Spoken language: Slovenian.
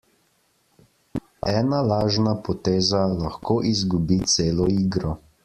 Ena lažna poteza lahko izgubi celo igro.